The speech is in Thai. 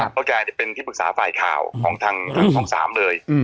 เพราะแกเป็นที่ปรึกษาฝ่ายข่าวของทางช่อง๓เลย